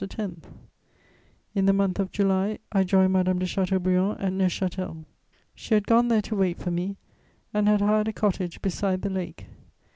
In the month of July, I joined Madame de Chateaubriand at Neuchâtel; she had gone there to wait for me, and had hired a cottage beside the lake.